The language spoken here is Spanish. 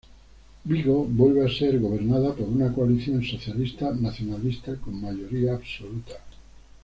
Vigo vuelve a ser gobernada por una coalición socialista-nacionalista con mayoría absoluta.